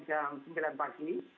jangan sampai jam sembilan pagi